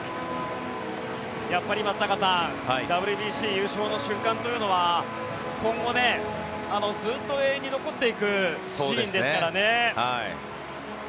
やっぱり松坂さんＷＢＣ優勝の瞬間というのは今後、ずっと永遠に残っていくシーンですからね。